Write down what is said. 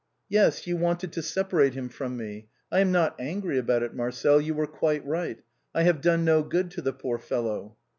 " Yes, you wanted to separate him from me. I am not angry about it. Marcel, you were quite right, I have done no good to the poor fellow."